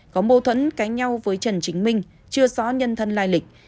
có mâu thuẫn cãi nhau với trần chính minh chưa rõ nhân thân lai lịch